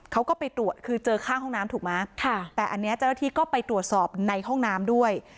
เขาก็ไปตรวจคือเจอข้างห้องน้ำถูกไหมแต่อันนี้เจ้าหน้าที่ก็ไปตรวจสอบในห้องน้ำด้วย